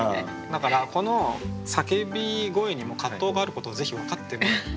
だからこの叫び声にも葛藤があることをぜひ分かってもらいたい。